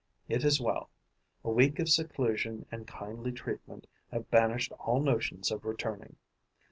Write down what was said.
It is well: a week of seclusion and kindly treatment have banished all notions of returning.